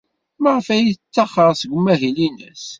Maɣef ay tettaxer seg umahil-nnes?